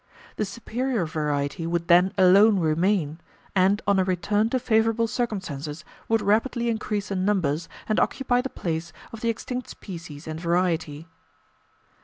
The superior variety would then alone remain, and on a return to favourable circumstances would rapidly increase in numbers and occupy the place of the extinct species and variety.